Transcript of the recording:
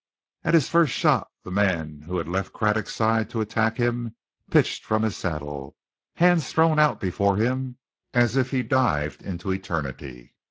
At his first shot the man who had left Craddock's side to attack him pitched from his saddle, hands thrown out before him as if he dived into eternity.